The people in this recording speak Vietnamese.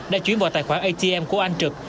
đã chuyển vào tài khoản atm của anh trực